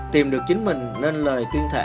tìm được chính mình nên lời tuyên thệ